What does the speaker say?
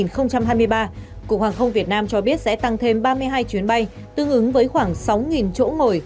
cục hàng không việt nam cho biết sẽ tăng thêm ba mươi hai chuyến bay tương ứng với khoảng sáu chỗ ngồi